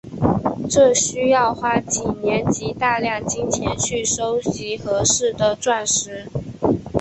这需要花几年及大量金钱去收集合适的钻石。